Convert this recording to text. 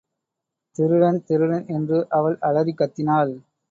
திருடன் திருடன் என்று அவள் அலறிக் கத்தினாள்.